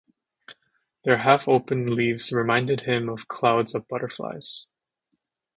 Their half-opened leaves reminded him of clouds of butterflies.